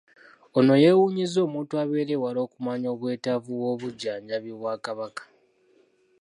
Ono yeewuunyizza omuntu abeera ewala okumanya obwetaavu bw'obujjanjabi bwa Kabaka